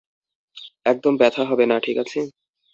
একদম ব্যাথা হবে না, ঠিক আছে?